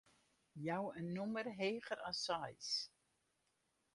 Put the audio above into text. Jou in nûmer heger as seis.